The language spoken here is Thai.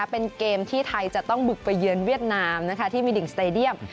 เป็นเกมที่ไทยจะต้องบุกไปเยือนเวียดนามที่มีดิ่งสเตดียม